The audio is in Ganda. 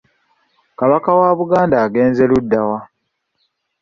Kabaka w'Abaganda agenze ludda wa?